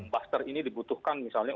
buster ini dibutuhkan misalnya